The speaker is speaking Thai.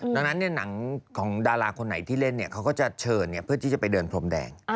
ดังนั้นหนังของดาราคนไหนที่เล่นเขาก็จะเชิญเพื่อที่จะไปเดินพรมแดง